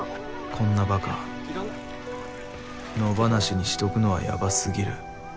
こんなばか野放しにしておくのはヤバすぎる。